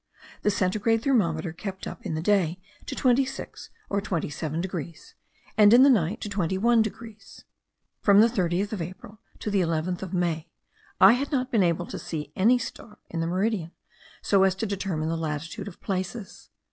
The centigrade thermometer kept up in the day to twenty six or twenty seven degrees; and in the night to twenty one degrees. From the 30th of April to the 11th of May, I had not been able to see any star in the meridian so as to determine the latitude of places.